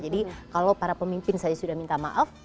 jadi kalau para pemimpin saja sudah minta maaf